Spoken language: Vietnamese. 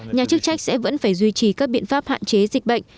nhà chức trách sẽ vẫn phải duy trì các biện pháp hạn chế dịch bệnh